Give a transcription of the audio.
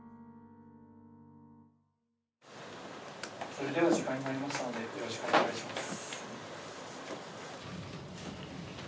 それでは時間になりましたのでよろしくお願いします。